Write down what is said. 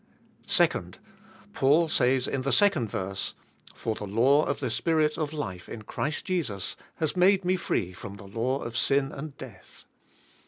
2. Paul says in the second verse "For the law of the Spirit of life in Christ Jesus has made me free from the law of sin and death.